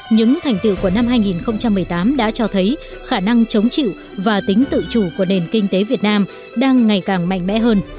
những thành tựu của năm hai nghìn một mươi tám đã cho thấy khả năng chống chịu và tính tự chủ của nền kinh tế việt nam đang ngày càng mạnh mẽ hơn